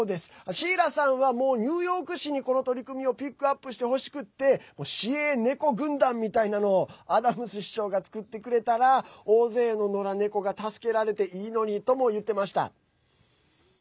シーラさんはニューヨーク市にこの取り組みをピックアップしてほしくて市営ネコ軍団みたいなのをアダムズ市長が作ってくれたら大勢の、のら猫が助けられていいのにとも言ってました。